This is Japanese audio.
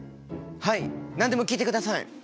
はい何でも聞いてください！